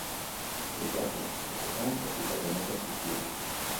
Medikuak lasterketetan botikak ematen zizkien.